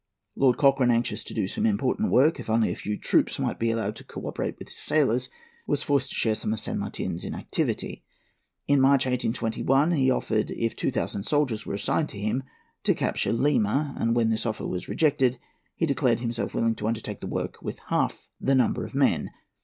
Lord Cochrane, anxious to do some more important work, if only a few troops might be allowed to co operate with his sailors, was forced to share some of San Martin's inactivity. In March, 1821, he offered, if two thousand soldiers were assigned to him, to capture Lima; and when this offer was rejected, he declared himself willing to undertake the work with half the number of men.